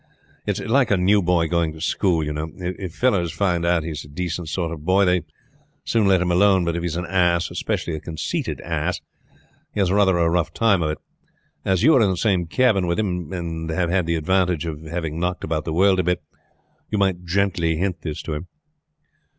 It is like a new boy going to school, you know. If fellows find out he is a decent sort of boy, they soon let him alone; but if he is an ass, especially a conceited ass, he has rather a rough time of it. As you are in the same cabin with him, and have had the advantage of having knocked about the world a bit, you might gently hint this to him."